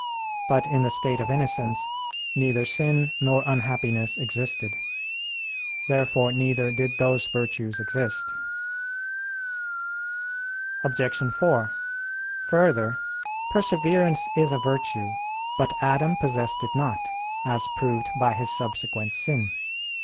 But in the state of innocence neither sin nor unhappiness existed. Therefore neither did those virtues exist. Obj. 4: Further, perseverance is a virtue. But Adam possessed it not; as proved by his subsequent sin.